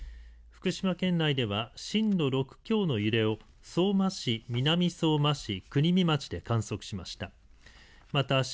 福島県内では震度６強の揺れを相馬市、南相馬市、国見町で観測しました。